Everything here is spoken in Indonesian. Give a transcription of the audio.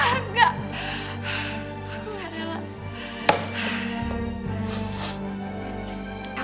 aku gak rela sya